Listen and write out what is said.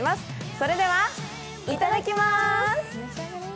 それでは、いただきまーす。